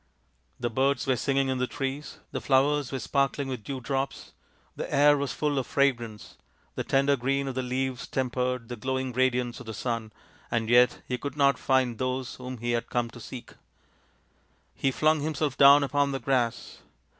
The birds were singing in the trees ; the flowers were sparkling with dew drops ; the air was full of fragrance ; the tender green of the leaves tempered the glowing radiance of the sun and yet he could not find those whom he had come to seek. He flung THE GREAT DROUGHT 271 himself down upon the grass.